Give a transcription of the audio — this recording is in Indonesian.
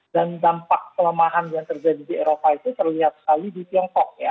dan dampak kelemahan yang terjadi di eropa itu terlihat sekali di tiongkok ya